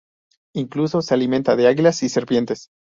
Incluso se alimenta de águilas y serpientes.